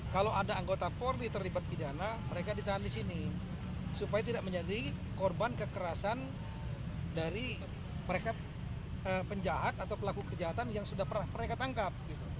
kalau ada anggota polri terlibat pidana mereka ditahan di sini supaya tidak menjadi korban kekerasan dari mereka penjahat atau pelaku kejahatan yang sudah pernah mereka tangkap